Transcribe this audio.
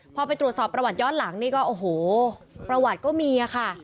พอไปตรวจสอบประวัติย้อนหลังนี่ก็โอ้โหประวัติก็มีค่ะ